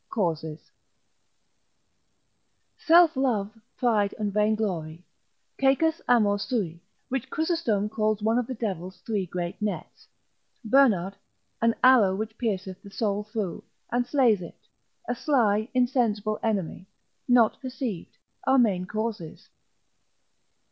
Causes_. Self love, pride, and vainglory, caecus amor sui, which Chrysostom calls one of the devil's three great nets; Bernard, an arrow which pierceth the soul through, and slays it; a sly, insensible enemy, not perceived, are main causes.